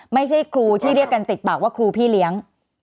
ไม่ใช่ครูที่เรียกกันติดปากว่าครูพี่เลี้ยง